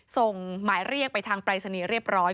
ส่งหมายเรียกไปทางปรายศนีย์เรียบร้อย